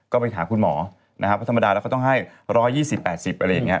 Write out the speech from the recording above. ก็ไปถามคุณหมอนะครับเพราะธรรมดาแล้วเขาต้องให้๑๒๐๘๐อะไรอย่างนี้